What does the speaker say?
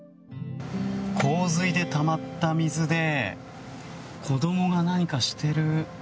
洪水でたまった水で子どもが何かしている。